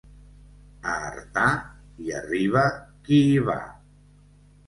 A Artà hi arriba qui hi va...